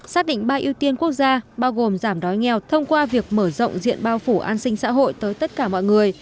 xác định ba ưu tiên quốc gia bao gồm giảm đói nghèo thông qua việc mở rộng diện bao phủ an sinh xã hội tới tất cả mọi người